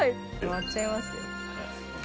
割っちゃいますよ。